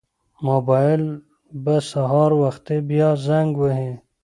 موبایل به سهار وختي بیا زنګ وهي.